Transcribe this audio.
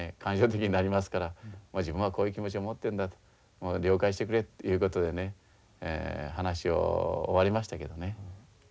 感傷的になりますからもう自分はこういう気持ちを持ってるんだと了解してくれっていうことでね話を終わりましたけどね。